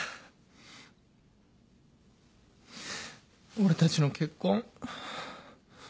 俺たちの結婚。